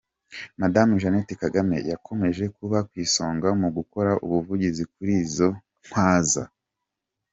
Madame Janete Kagame yakomeje kuba ku isonga mu gukora ubuvugizi kuri izo Ntwaza.